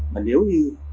mà nếu như